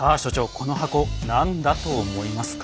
この箱何だと思いますか？